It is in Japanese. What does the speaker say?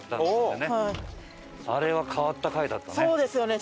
あれは変わった回だったよね。